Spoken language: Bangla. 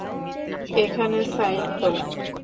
এখানে সাইন করো।